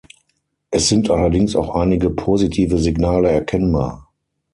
Es sind allerdings auch einige positive Signale erkennbar.